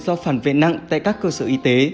do phản vệ nặng tại các cơ sở y tế